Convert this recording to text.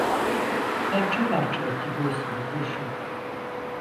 Parça parça etti göğsümü kurşun.